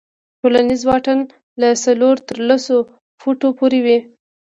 ټولنیز واټن له څلورو تر لسو فوټو پورې وي.